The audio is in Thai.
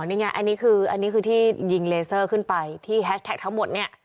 นี่ไงอันนี้คืออันนี้คือที่ยิงเลเซอร์ขึ้นไปที่แฮชแท็กทั้งหมดเนี่ย